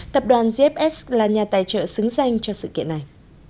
tập đoàn gfs là nhà tài trợ xứng danh cho sự kiện này